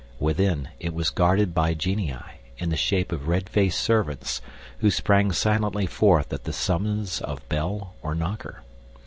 Within, it was guarded by genii, in the shape of red faced servants, who sprang silently forth at the summons of bell or knocker.